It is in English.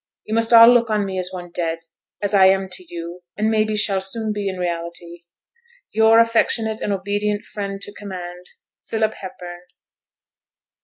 You must all look on me as one dead; as I am to you, and maybe shall soon be in reality. 'Your affectionate and obedient friend to command, 'PHILIP HEPBURN.